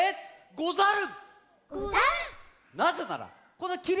ござる！